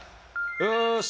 よし！